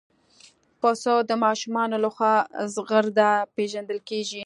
پسه د ماشومانو لخوا زغرده پېژندل کېږي.